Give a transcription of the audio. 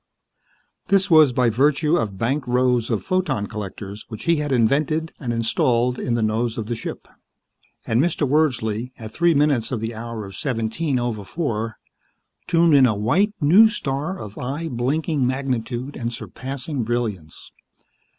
This was by virtue of banked rows of photon collectors which he had invented and installed in the nose of the ship. And Mr. Wordsley, at three minutes of the hour of seventeen over four, tuned in a white, new star of eye blinking magnitude and surpassing brilliance.